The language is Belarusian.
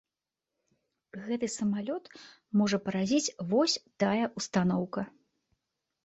Гэты самалёт можа паразіць вось тая ўстаноўка.